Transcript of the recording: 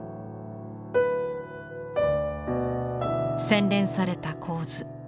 洗練された構図。